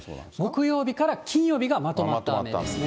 木曜日から金曜日がまとまった雨ですね。